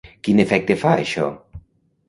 Quin efecte fa això?